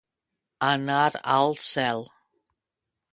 Anar al cel.